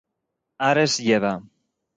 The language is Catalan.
Ara es lleva!